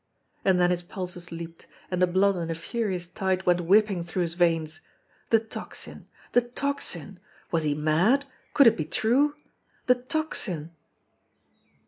And then his pulses leaped, and the blood in a furious tide went whipping through his veins. The Tocsin! The Tocsin! Was he mad? Could it be true? The Tocsin!